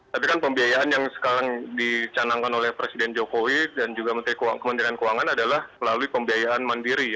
tapi kan pembiayaan yang sekarang dicanangkan oleh presiden jokowi dan juga kementerian keuangan adalah melalui pembiayaan mandiri